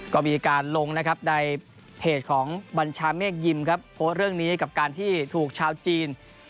ก็มีการลงนะครับในเพจของบัญชาเมฆยิมครับโพสต์เรื่องนี้กับการที่ถูกชาวจีน